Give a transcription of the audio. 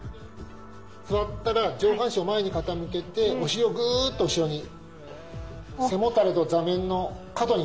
座ったら上半身を前に傾けてお尻をぐーっと後ろに。